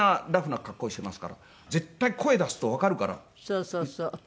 そうそうそう。